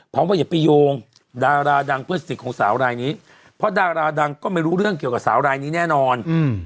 ว่าอย่าไปโยงดาราดังเพื่อนสนิทของสาวรายนี้เพราะดาราดังก็ไม่รู้เรื่องเกี่ยวกับสาวรายนี้แน่นอน